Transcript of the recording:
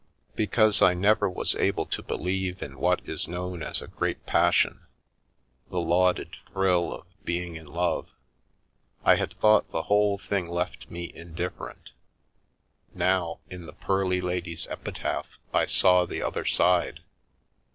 Because I never was able to believe in what is known as a great passion, the lauded thrill of " being in love," I had thought the whole thing left me indifferent. Now, in the pearly lady's epitaph, I saw the other side.